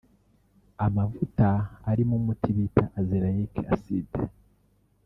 Amavuta arimo umuti bita “azelaic acid”